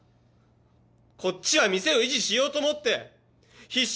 こっちは店を維持しようと思って必死に。